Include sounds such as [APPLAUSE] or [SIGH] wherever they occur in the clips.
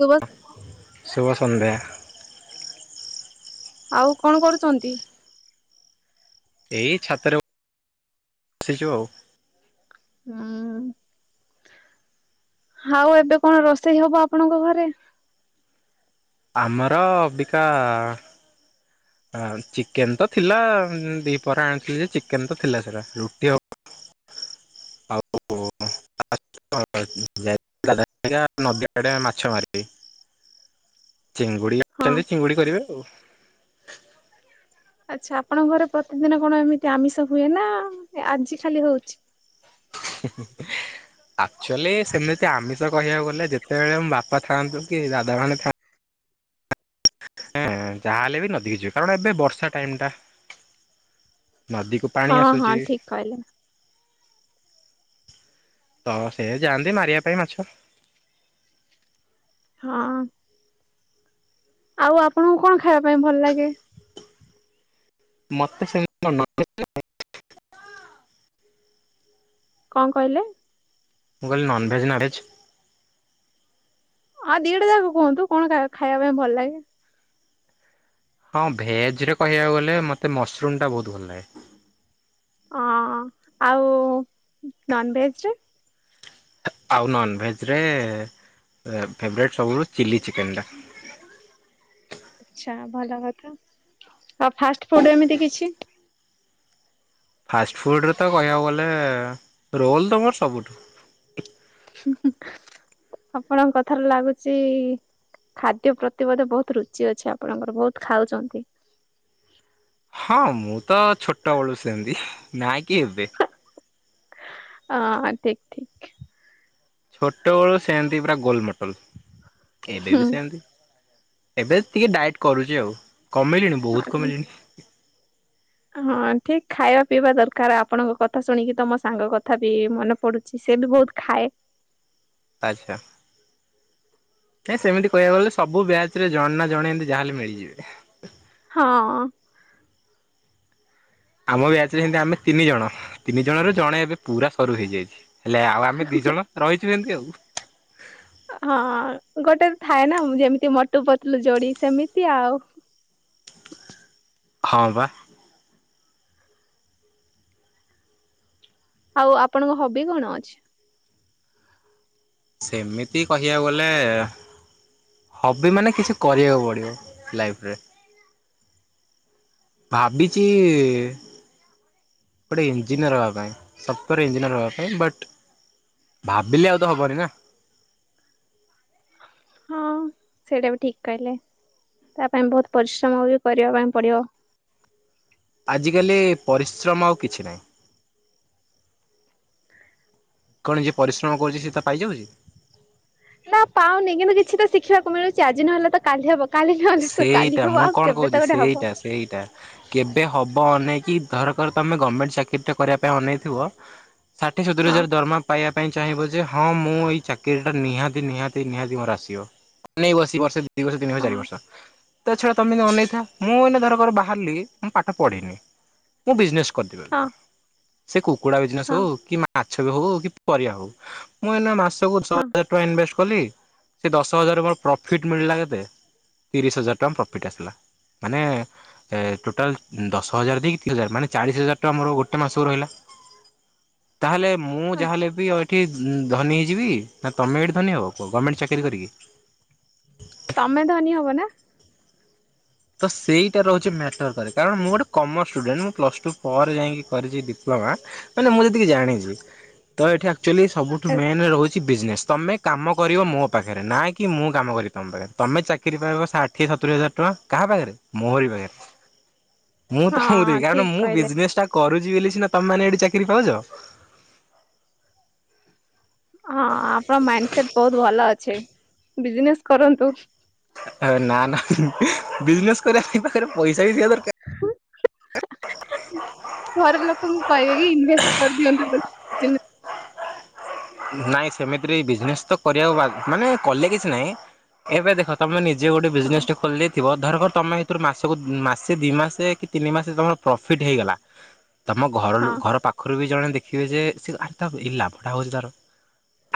ଶୁଭ ଶୁଭ ସନ୍ଧ୍ୟା। ଆଉ କଣ କରୁଛନ୍ତି? ଏଇ ଛାତରେ [UNINTELLIGIBLE] ସିଛୁ ଆଉ। ହୁଁ। ଆଉ ଏବେ କଣ ରୋଷେଇ ହବ ଆପଣଙ୍କ ଘରେ? ଆମର ଅବିକା [INAUDIBLE] ହଁ ଚିକେନ ତ ଥିଲା ଦି ପରେ ଆଣିଥିଲି ଯେ ଚିକେନ ତ ଥିଲା ସେଟା ରୁଟି ହବ [INAUDIBLE] [INAUDIBLE] ନବ ଆଡେ ମାଛ ମାରିବି ଚିଙ୍ଗୁଡି ହଁ ଆଛନ୍ତି ଚିଙ୍ଗୁଡି କରିବେ ଆଚ୍ଛା ଆପଣଙ୍କ ଘରେ ପ୍ରତିଦିନ କଣ ଏମିତି ଆମିଷ ହୁଏ ନା ଆଜି ଖାଲି ହଉଛି? ହୁଁ ହୁଁ ହେଁ। ଆକ୍ଚୁଆଲି ସେମିତି ଆମିଷ କହିବାକୁ ଗଲେ ଯେତେବେଳେ ମୋ ବାପା ଥାଆନ୍ତୁ କି ଦାଦା ମାନେ ଥା ହେଁ ଯାହାହେଲେ ବି ନଦୀ ହେଇ ଯିବ କାରଣ ଏବେ ବର୍ଷା ଟାଇମ ଟା ନଦୀକୁ ପାଣି ହଁ ହଁ ଆସୁଚି। ଠିକ କହିଲେ ତ ସେ ଯାଆନ୍ତି ମାରିବା ପାଇଁ ମାଛ। ହଁ। ଆଉ ଆପଣଙ୍କୁ କଣ ଖାଇବା ପାଇଁ ଭଲ ଲାଗେ? ମତେ [UNINTELLIGIBLE] କଣ କହିଲେ? ମୁଁ କିଇଲି ନନ୍ ଭେଜ ନା ଭେଜ? ଆଉ ଦିଟା ଯାକ କୁହନ୍ତୁ କଣ ଖା-ଖାଇବା ପାଇଁ ଭଲ ଲାଗେ? ହଁ ଭେଜ୍ ରେ କହିବାକୁ ଗଲେ ମୋତେ ମସରୁମ୍ ଟା ବହୁତ ଭଲ ଲାଗେ। ହଁ ଆଉ ନନ୍ ଭେଜରେ? ଆଉ ନନ୍ ଭେଜରେ ଫେବରାଇଟ୍ ସବୁରୁ ଚିଲ୍ଲି ଚିକେନ୍ ଟା। ଆଚ୍ଛା ଭଲ କଥା ଆଉ ଫାଷ୍ଟ ଫୁଡ ଏମିତି କିଛି ଫାଷ୍ଟଫୁଡ଼ରେ ତ କହିବାକୁ ଗଲେ ରୋଲ୍ ତ ମୋର ସବୁଠୁ ହୁଁ ହୁଁ ଆପଣଙ୍କ କଥାରୁ ଲାଗୁଚି ଖାଦ୍ୟ ପ୍ରତି ବୋଧେ ବହୁତ ରୁଚି ଅଛି ଆପଣଙ୍କର ବହୁତ ଖାଉଚନ୍ତି। ହଁ ମୁଁ ତ ଛୋଟବେଳୁ ସେମତି ନାଁ କି ଏବେ ହଁ ଠିକ୍ ଠିକ୍। ଛୋଟବେଳୁ ସେମତି ପୁରା ଗୋଲ ମୋଟଲ ଏବେ ହୁଁ ବି ସେମତି। ଏବେ ଟିକେ ଡାଏଟ୍ କରୁଚି ଆଉ କମେଇଲିଣି ବହୁତ ହଁ କମେଇଲିଣି। ହଁ ଠିକ ଖାଇବା ପିଇବା ଦରକାର ଆପଣଙ୍କ କଥା ଶୁଣିକି ତମ ସାଙ୍ଗ କଥା ବି ମନେ ପଡୁ ସେ ବି ବହୁତ ଖାଏ। ଆଚ୍ଛା। ହେ ସେମିତି କହିବାକୁ ଗଲେ ସବୁ ବ୍ୟାଚ୍ ରେ ଜଣେ ନା ଜଣେ ଏମିତି ଯାହାଲେ ମିଳିଯିବେ। ହଁ। ଆମ ବ୍ୟାଚ ରେ ସେମିତି ଆମେ ତିନି ଜଣ ତିନି ଜଣ ର ଜଣେ ଏବେ ପୁରା ସରୁ ହେଇଯାଇଛି। ହେଲେ ଆଉ ଆମେ ଦି ଜଣ ରହିଛୁ ଏମିତି ଆଉ। ହଁ ଗୋଟେ ଥାଏ ନା ଯେମିତି ମୋଟୁ ପତଲୁ ଯୋଡି ସେମିତି ଆଉ। ହଁ ପା। ଆଉ ଆପଣଙ୍କ ହବି କଣ ଅଛି? ସେମିତି କହିବାକୁ ଗଲେ ହବି ମାନେ କିଛି କରିବାକୁ ପଡ଼ିବ ଲାଇଫରେ। ଭାବିଚି ଗୋଟେ ଇଞ୍ଜିନିୟର ହବା ପାଇଁ ସତରେ ଇଞ୍ଜିନିୟର ହବା ପାଇଁ ବଟ୍ ଭାବିଲେ ଆଉ ତ ହବନି ନା। ହଁ ସେଇଟା ବି ଠିକ୍ କହିଲେ ତା ପାଇଁ ବହୁତ ପରିଶ୍ରମ ବି କରିବା ପାଇଁ ପଡ଼ିବ। ଆଜିକାଲି ପରିଶ୍ରମ ଆଉ କିଛି ନାହିଁ। କଣ ଯିଏ ପରିଶ୍ରମ କରୁଚି ସିଏ ତା ପାଇଯାଉଚି? ନା ପାଉନି କିନ୍ତୁ କିଛି ତ ଶଖିବାକୁ ମିଳୁଚି ଆଜି ନହଲେ ତ କାଲି ହବ। କାଲି ନହେଲେ ତ କାଲି ସେଇଟା ହବ ମୁଁ ଆଉ କଣ କେବେ କହୁଛି ତ ଗୋଟେ ହବ ସେଇଟା ସେଇଟା କେବେ ହବ ଅନେଇକି ଧରକର ତମେ ଗମେଣ୍ଟ ଚାକିରିଟେ କରିବା ପାଇଁ ଅନେଇଥିବ ଷାଠିଏ ସତୁରି ହଁ ହଜାର ଦରମା ପାଇବା ପାଇଁ ଚାହିଁବ ଯେ ହଁ ମୁଁ ଏଇ ଚାକିରି ଟା ନିହାତି ନିହାତି ନିହାତି ମୋର ଆସିବ। [UNINTELLIGIBLE] ବର୍ଷେ ଦି ବର୍ଷ ତିନି ବର୍ଷ ହଁ ଚାରି ବର୍ଷ। ତା ଛଡ଼ା ତମେ ଅନେଇଥା। ମୁଁ ଏଇନେ ଧରକର ବାହାରିଲି ମୁଁ ପାଠ ପଢ଼ିନି, ମୁଁ ବିଜନେସ୍ ହଁ [UNINTELLIGIBLE] ସେ କୁକୁଡ଼ା ବିଜନେସ୍‌ ହଁ ହଉ, କି ମା ମାଛ ବି ହଉ କି ପରିବା ହଉ। ମୁଁ ଏଇନା ମାସକୁ ଛଅ ହଁ ହଜାର ଟଙ୍କା ଇନଭେଷ୍ଟ୍ କଲି ସେ ଦଶ ହଜାର ମୋର ପ୍ରଫିଟ୍ ମିଳିଲା କେତେ ତିରିଶ ହଜାର ଟଙ୍କା ପ୍ରଫିଟ୍ ଆସିଲା। ମାନେ ଏ ଟୋଟାଲ୍ ଦଶ ହଜାର ଦେଇକି ଥିଲା, ମାନେ ଚାଳିଶ ହଜାର ଟଙ୍କା ମୋର ଗୋଟେ ମାସକୁ ରହିଲା। ହ [INAUDIBLE] ତାହେଲେ ମୁଁ ଯାହାଲେ ବି [UNINTELLIGIBLE] କି ଧନୀ ହେଇଯିବି ନା ତମେ ଏଠି ଧନୀ ହବ କୁହ, ଗମେଣ୍ଟ ଚାକିରି କରିକି। ତମେ ଧନୀ ହବ ନା। ତ ସେଇଟା ରହୁଚି ମ୍ୟାଟର୍ କରେ, କାରଣ ମୁଁ ଗୋଟେ କମର୍ସ ଷ୍ଟୁଡେଣ୍ଟ ମୁଁ ପ୍ଲସ୍ ଟୁ ପରେ ଯାଇକି କରିଚି ଡିପ୍ଲୋମା। ମାନେ ମୁଁ ଯେତିକି ଜାଣିଚି, ତ ଏଠି ଆକ୍ଚୁଆଲି ସବୁଠୁ ମେନ୍‌ ରହୁ ଚି ବିଜନେସ୍। ତମେ କାମ କରିବ ମୋ ପାଖରେ, ନା କି ମୁଁ କାମ କରିବି ତମ ପାଖରେ। ତମେ ଚାକିରି ପାଇବ ସା ଷାଠିଏ ସତୁରି ହଜାର ଟଙ୍କା କାହା ପାଖରେ ମୋରି ପାଖରେ। ମୁଁ ତମକୁ ହଁ ଦେବି। କାରଣ ଠିକ ମୁଁ କହିଲେ ବିଜନେସ୍ ଟା କରୁଚି ବୋଲି ସିନା ତମେ ମାନେ ଏଠି ଚାକିରି ପାଉଚ। ହଁ ଆପଣଙ୍କ ମାଇଣ୍ଡ ସେଟ୍ ବହୁତ ଭଲ ଅଛି। ବିଜନେସ୍ କରନ୍ତୁ। ଏ ନା ନା ବିଜନେସ୍ କରିବାପାଇଁ ପାଖରେ ପଇସା ବି ଥିବା ଦରକାର। ଘର ଲୋକଙ୍କୁ କହିବେ କି ଇନଭେଷ୍ଟ୍ କରିଦିଅନ୍ତୁ। ବିଜନେସ। ନାଇଁ ସେମିତିରେ ବି ବିଜନେସ ତ କରିବାକୁ ବା ମାନେ କଲେ କିଛି ନାଇଁ, ଏବେ ଦେଖ ତମେ ନି ଜେ ଗୋଟେ ହଁ ବିଜନେସ୍ ଟେ ଖୋଲିଦେଇ ଥିବ ଧରକର ତମେ ଏଥିରୁ ମାସକୁ ମାସେ ଦି ମାସେ କି ତିନି ମାସେ ତମର ପ୍ରଫିଟ୍ ହେଇଗଲା ତମ ଘର ଲୋ ହଁ ଘର ପାଖରୁ ବି ଜଣେ ଦେଖିବେ ଯେ ସେ ଆରେ ତା ଏଇ ଲାଭଟା ହଉଚି ତାର।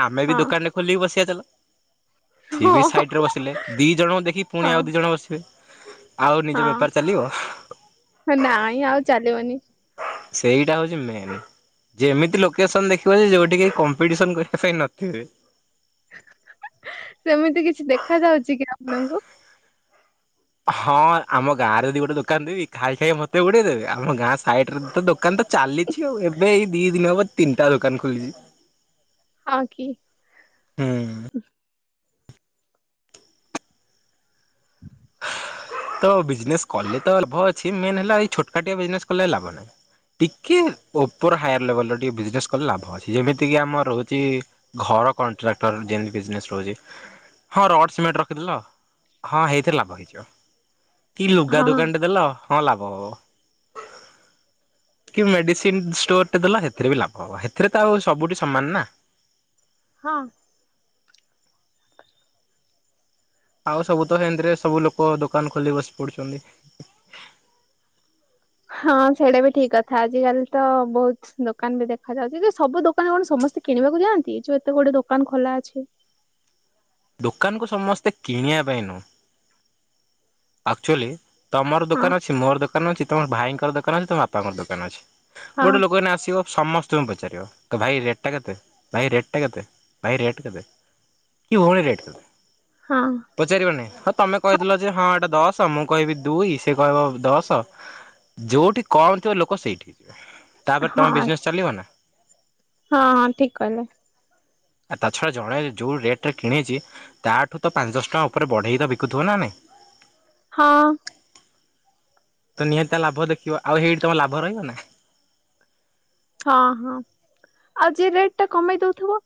ଆମେ ବି ଦୋକାନଟେ ଖୋଲିକି ବସିବା ଚାଲ। ସେ ବି ହଁ ସାଇଟ୍ ରେ ବସିଲେ। ଦିଇ ଜଣଙ୍କୁ ଦେଖି ହଁ ପୁଣି ଆଉ ଦୁଇ ଜଣ ବସିବେ, ଆଉ ନିଜ ବେପାର ଚାଲିବ। ହେ ନାଇ ଆଉ ଚାଲିବନି। ସେଇଟା ହଉଚି ମେନ୍। ଯେ ଏମିତି ଲୋକେସନ ଦେଖିବ ଯେ ଯୋଉଠି କେହି କମ୍ପିଟିସନ କରିବା ପାଇଁ ନଥିବେ। ସେମିତି କିଛି ଦେଖା ଯାଉଚି କି ଆପଣଙ୍କୁ? ହଁ ଆମ ଗାଁରେ ଯଦି ଗୋଟେ ଦୋକାନ ଦେବି ଖାଇ ଖାଇ ମତେ ବୁଡ଼େଇ ଦେବେ। ଆମ ଗାଁ ସାଇଟ୍ ରେ ତ ଦୋକାନ ତ ଚାଲିଚି ଆଉ, ଏବେ ଏଇ ଦି ଦିନ ହେବ ତିନିଟା ଦୋକାନ ଖୋଲିଚି। ହଁ କି। ତ ବିଜନେସ କଲେ ତ ଲାଭ ଅଛି। ମେନ୍ ହେଲା ଏଇ ଛୋଟକାଟିଆ ବିଜନେସ କଲେ ଲାଭ ନାହିଁ। ଟିକିଏ ଉପର ହାୟାର ଲେବଲରେ ଟିକେ ବିଜନେସ୍ କଲେ ଲାଭ ଅଛି। ଯେମିତିକି ଆମର ରହୁଚି ଘର କଣ୍ଟ୍ରାକ୍ଟର ଯେମିତି ବିଜନେସ୍ ରହୁଚି ହଁ ରଡ୍ ସିମେଣ୍ଟ ରଖିଦେଲ ହଁ ହେଇଥିରେ ଲାଭ। ରହିଯିବ। କି ଲୁଗା ହଁ ଦୋକାନ ଟେ ଦେଲ ହଁ ଲାଭ ହବ। କି ମେଡିସିନ ଷ୍ଟୋର ଟେ ଦେଲ ହେଥିରେ ବି ଲାଭ ହବ। ହେଥିରେ ତ ଆଉ ସବୁଠି ସମାନ ନା। ହଁ। ଆଉ ସବୁ ତ ହେନ୍ତି ରେ ସବୁ ଲୋକ ଦୋକାନ ଖୋଲି ବସି ପଡୁଛନ୍ତି। ହଁ ସେଇଟା ବି ଠିକ୍‌ କଥା। ଆଜିିକାଲି ତ ବହୁତ୍ ଦୋକାନ ବି ଦେଖାଯାଉଚି ଯେ ସବୁ ଦୋକାନ କଣ ସମସ୍ତେ କିଣିବାକୁ ଯାଆନ୍ତି, ଯୋଉ ଏତେ ଗୁଡ଼ିଏ ଦୋକାନ ଖୋଲା ଅଛି? ଦୋକାନକୁୁ ସମସ୍ତେ କିଣିବା ପାଇଁ ନୁହୁଁ ଆକ୍ଚୁଆଲି ତମର ହଁ ଦୋକାନ ଅଛି, ମୋର ଦୋକାନ ଅଛି ତମର ଭାଇଙ୍କର ଦୋକାନ ଅଛି, ତମ ବାପାଙ୍କର ଦୋକାନ ଅଛି। ହଁ ଗୋଟେ ଲୋକ ଏଇନା ଆସିବ ସମସ୍ତଙ୍କୁ ପଚାରିବ। ଭାଇ ରେଟ୍ ଟା କେତେ, ଭାଇ ରେଟ୍ ଟା କେତେ, ଭାଇ ରେଟ୍ କେତେ? କି ଭଉଣୀ ରେଟ କେତେ ହଁ ପଚାରିବ ନା ନାଇ। ହଁ ତମେ କହି ଦେଲ ଯେ ହଁ ଏଟା ଦଶ ମୁଁ କହିବି ଦୁଇ ସେ କହିବ ଦଶ ଯୋଉଠି କମ ଥିବ ଲୋକ ସେଇଠି। ତାପରେ ହଁ ତମ ବିଜନେସ ଚାଲିବ ନା! ହଁ ହଁ ଠିକ କହିଲେ। ଆ ତା ଛଡ଼ା ଜଣେ ଯେଉଁ ରେଟ୍ ରେ କିଣେଇଛି। ତାଠୁ ତ ପାଞ୍ଚ ଦଶ ଟଙ୍କା ଉପରେ ବଢ଼େଇ ତ ବିକୁଥିବ ନା ନାଇଁ। ହଁ। ତ ନିହାତି ଲାଭ ଦେଖିବ ଆଉ ହେଇଠି ତମ ଲାଭ ରହିବ ନା। ହଁ ହଁ ଆଉ ଯିଏ ରେଟ୍‌ ଟା କମେଇ ଦଉଥିବ।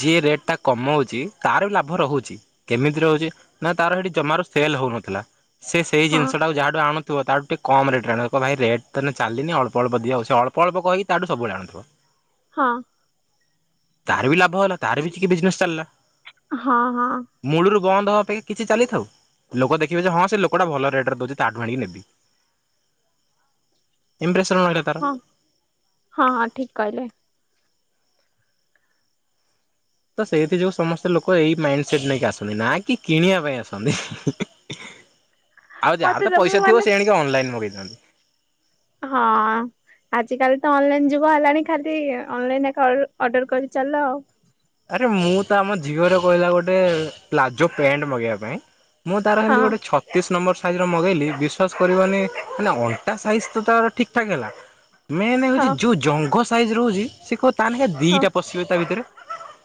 ଯିଏ ରେଟ୍ଟା କମାଉଛି ତାର ଲାଭ ରହୁଛି। କେମିତି ରହୁଛି ନା ତାର ସେଠି ଜମାରୁ ସେଲ୍ ହଉନଥିଲା ସେ ସେଇ ହଁ ଜିନିଷ ଟାକୁ ଯାହାଠୁ ଆଣୁ ଥିବ ତାଠୁ ଟିକେ କମ୍ ରେଟ୍‌ ରେ ଆଣିବ। କହିବ ଥିବ ଭାଇ ରେଟ ତ ଚାଲିନି ଅଳ୍ପ ଅଳ୍ପ ଦିଅ। ଆଉ ସେଇ ଅଳ୍ପ ଅଳ୍ପ କହିକି ତାଠୁ ସବୁବେଳେ ଆଣୁଥିବ। ହଁ। ତାର ବି ଲାଭ ହେଲା ତାର ବି ଟିକେ ବିଜନେସ୍‌ ଚାଲିଲା। ହଁ ହଁ ମୂଳରୁ ବନ୍ଦ ହେବା ପାଇଁ କିଛି ଚାଲିଥାଉ। ଲୋକ ଦେଖିବେ ଯେ ହଁ ସେ ଲୋକଟା ଭଲ ରେଟ୍‌ ରେ ଦଉଛି ତାଠୁ ଆଣିକି ଦେବି। ଇମ୍ପ୍ରେସନ୍ର ରହିଲା। ତାର। ହଁ ହଁ ହଁ ଠିକ କହିଲେ। ତ ସେଇଥି ଯୋଗୁ ସମସ୍ତେ ଲୋକ ଏଇ ମାଇଣ୍ଡ ସେଟ୍ ନେଇକି ଆସନ୍ତି ନା କି କିଣିବା ପାଇଁ ଆସନ୍ତି। [UNINTELLIGIBLE] [INAUDIBLE] ଆଉ ଯାହାର ତ ମୁଁ ପଇସ ଥିବ ମାନେ ସେ ଆଣିକି ଅନଲାଇନ୍ ମଗାଇଥାନ୍ତି। ହଁ। ଆଜିକାଲି ତ ଅନଲାଇନ ଯୁଗ ହେଲାଣି ଖାଲି ଅନଲାଇନ ଏକ ଅର୍ଡର କରି ଚାଲ ଆଉ। ଆରେ ମୁଁ ତ ଆମ ଝିଅରେ କହିଲା ଗୋଟେ ପ୍ଲାଜୋ ପ୍ୟାଣ୍ଟ ମଗେଇବା ପାଇଁ ମୁଁ ତାର ହେମ୍ତି ହଁ ଗୋଟେ ଛ ଛତିଶ ନମ୍ବର ସାଇଜର ମଗାଇଲି ବିଶ୍ୱାସ କରିବନି। ମାନେ ଅଣ୍ଟା ସାଇଜ ତାର ଠିକ୍ ଠାକ୍ ହେଲା ମେନ୍ ହେଉଛି ହଁ ଜୋ ଜଙ୍ଘ ସାଇଜ୍ ହଉଛି ସେ କହିବ ତାନାକେ ହଁ ଦୁଇଟା ପଶିବେ ତାଭିତରେ।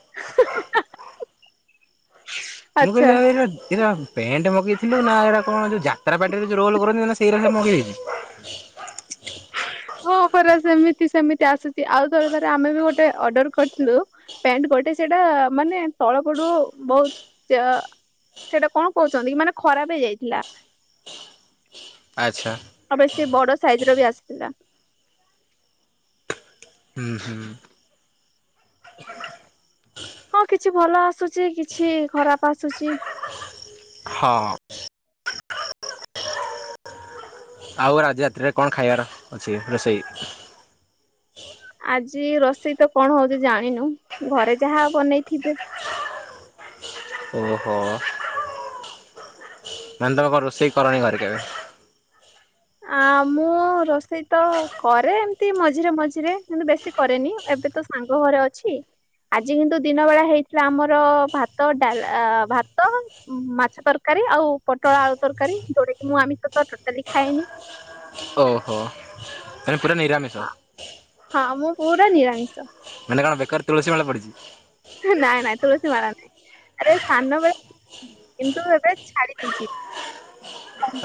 [UNINTELLIGIBLE] ମୁଁ କହିଲି ଏରା ଏରାମ୍ ପେଣ୍ଟ ମଗେଇଥିଲୁ। ନା ଏଡ଼ା କଣ ଯୋଉ ଯାତ୍ରା ପାର୍ଟିରେ ଯୋଉ ରୋଲ କରନ୍ତି ମାନେ ସେଇ ସେ ମଗେଇ ଦେଇଛି। ହଁ ପରା ସେମିତି ସେମିତି ଆସୁଛି। ଆଉ ଥରେ ଥରେ ଆମେ ବି ଗୋଟେ ଅର୍ଡର କରିଥିଲୁ। ପ୍ୟାଣ୍ଟ ପଟେ ସେଟା ମାନେ ତଳ ପଟୁ ବହୁତ ସେଇଟା କଣ କହୁଛନ୍ତି କି ମାନେ ଖରାପ ହେଇଯାଇଥିଲା। ଆଚ୍ଛା। ଆ ବେସି ବଡ ସାଇଜ ର ବି ଆସିଥିଲା। ହୁଁ ହୁଁ। ହଁ କିଛି ଭଲ ଆସୁଛି। କିଛି ଖରାପ ଆସୁଛି। ହଁ। [INAUDIBLE] [INAUDIBLE] ଆଉ ଆଜି ରାତିରେ କଣ ଖାଇବାର ଅଛି ରୋଷେଇ। ଆଜି ରୋଷେଇ ତ କଣ ହଉଛି ଜାଣିନୁ। ଘରେ ଯାହା ବନେଇଥିବେ। ଓହୋ। ନାନୀ ତମ କଣ ରୋଷେଇ କରନି ଘରେ କେବେ? ଆ ମୁଁ ରୋଷେଇ ତ କରେ ଏମିତି ମଝିରେ ମଝିରେ କିନ୍ତୁ ବେଶୀ କରେନି। ଏବେ ତ ସାଙ୍ଗ ଘରେ ଅଛି। ଆଜି କିନ୍ତୁ ଦିନ ବେଳା ହେଇଥିଲା ଆମର ଭାତ ଡା ଭାତ ମାଛ ତରକାରୀ ଆଉ ପୋଟଳ ଆଳୁ ତରକାରୀ ଯୋଉଟା କି ମୁଁ ଆମିଷ ତ ଟୋଟାଲି ଖାଏନି ଓହୋ ମାନେ ପୁରା ନିରାମିଷ। ହଁ ହଁ ମୁଁ ପୁରା ନିରାମିଷ। ମାନେ କଣ ବେକରେ ତୁଳସୀ ମାଳ ପଡିଛି। ନାଇଁ ନାଇଁ ତୁଳସୀ ମାରା ନାହିଁ ଆରେ ସାନ ବେଳେ କିନ୍ତୁ ଏବେ ଛାଡି ଦେଇେଇଛି।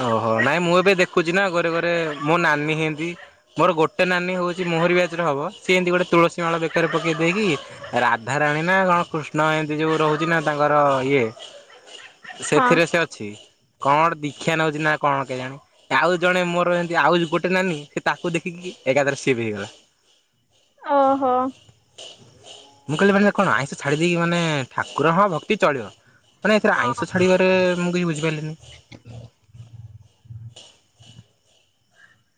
ଓହୋ ନାଇଁ ମୁଁ ଏବେ ଦେଖୁଛି ନା ଘରେ ଘରେ ମୋ ନାନୀ ଏମତି ମୋର ଗୋଟେ ନାନୀ ହେଉଚି ମେରି ବିଆଚେରେ ହବ ସେ ଏମତିଗେଟେ ତୁଳସୀ ମାଳ ବେକାରରେ ପକାଇ ଦେଇକି ରାଧାରାଣୀ ନା କଣକୃଷ୍ଣ ଏମତି ଯୋଉ ରହୁଛି ନା ତାଙ୍କର ଇଏ ହ ସେଥିରେ ସେ ଅଛି କଣ ଦୀକ୍ଷା ନଉଛି ନା କଣ କେଜାଣି? ଆଉ ଜଣେ ମୋର ଏମିତି ଆଉ ଗୋଟେ ନାନୀ ସେ ତାକୁ ଦେଖିକି ଏକାଥରେ ସେ ବି ହେଇଗଲା। ଓହୋ। ମୁଁ କହିଲି ମାନେ କଣ ଆଇଁଷ ଛାଡି ଦେଇକି ମାନେ ଠାକୁର ହଁ ଭକ୍ତି ଚଳିବ। ମାନେ ଏଥିରେ ହଁ ଆଇଁଷ ଛାଡ଼ିବାରେ ମୁଁ କିଛି ବୁଝିପାରିଲିନି।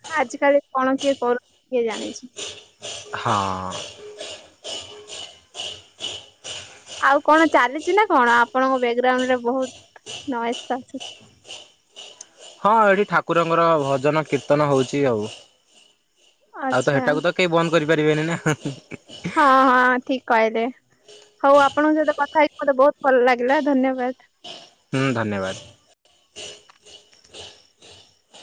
ହଁ ଆଜି କାଲି କଣ କିଏ କରୁଛି କିଏ ଜାଣିଛି,? ହଁ। ଆଉ କଣ ଚାଲିଛି ନା କଣ ଆପଣଙ୍କ ବ୍ୟାକଗ୍ରାଉଣ୍ଡରେ ବହୁତ ନଏସ୍ ଆସୁଛି। ହଁ ଏଠି ଠାକୁରଙ୍କର ଭଜନ କୀର୍ତ୍ତନ ହଉଛି ଆଉ ଆଉ ତ ଆଚ୍ଛା ହେଟାକୁ ତ କେହି ବନ୍ଦ କରିପାରିବେନି ନା? ହଁ ହଁ ଠିକ କହିଲେ ହଉ ଆପଣଙ୍କ ସହିତ କଥା ହେଇକି ମତେ ବହୁତ ଭଲ ଲାଗିଲା ଧନ୍ୟବାଦ। ହୁଁ ଧନ୍ୟବାଦ।